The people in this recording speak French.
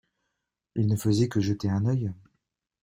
Il ne faisait que jeter un œil.